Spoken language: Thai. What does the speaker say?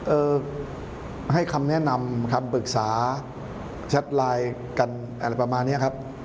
เออให้คำแนะนำคำปรึกษาแชทไลน์กันอะไรประมาณนี้ครับ